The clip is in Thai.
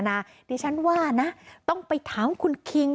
เดี๋ยวฉันว่านะต้องไปถามคุณคิง